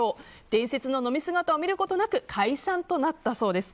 伝説の飲み姿を見ることなく解散となったそうです。